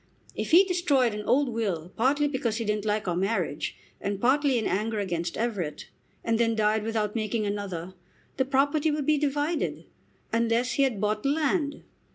If he destroyed an old will, partly because he didn't like our marriage, and partly in anger against Everett, and then died without making another, the property would be divided, unless he had bought land.